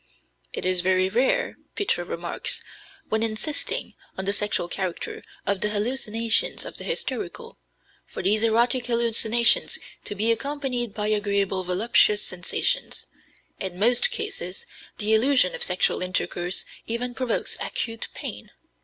"It is very rare," Pitres remarks, when insisting on the sexual character of the hallucinations of the hysterical, "for these erotic hallucinations to be accompanied by agreeable voluptuous sensations. In most cases the illusion of sexual intercourse even provokes acute pain.